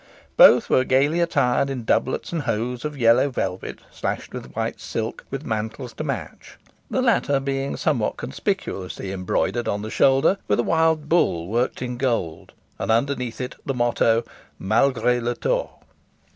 Both were gaily attired in doublets and hose of yellow velvet, slashed with white silk, with mantles to match, the latter being somewhat conspicuously embroidered on the shoulder with a wild bull worked in gold, and underneath it the motto, "Malgré le Tort."